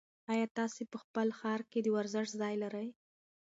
ایا تاسي په خپل ښار کې د ورزش ځای لرئ؟